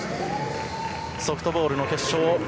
ソフトボールの決勝。